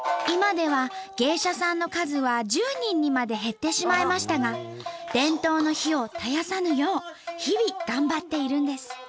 今では芸者さんの数は１０人にまで減ってしまいましたが伝統の灯を絶やさぬよう日々頑張っているんです。